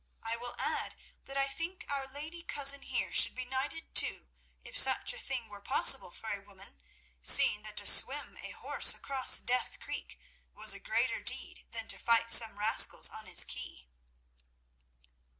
I will add that I think our lady cousin here should be knighted too, if such a thing were possible for a woman, seeing that to swim a horse across Death Creek was a greater deed than to fight some rascals on its quay."